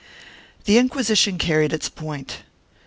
"2 The Inquisition carried its point.